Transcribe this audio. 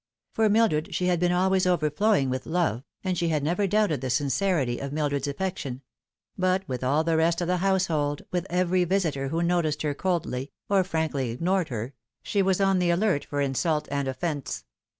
For Mildred she had been always overflowing with love, and she had never doubted the sincerity of Mildred's affection ; but with all the rest of the household, with every visitor who noticed her coldly, or frankly ignored her, she was on the alert for insult and offence.